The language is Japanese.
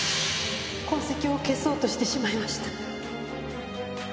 痕跡を消そうとしてしまいました。